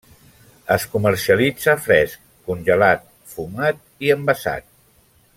Es comercialitza fresc, congelat, fumat i envasat.